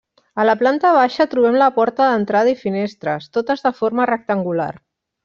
A la planta baixa trobem la porta d'entrada i finestres, totes de forma rectangular.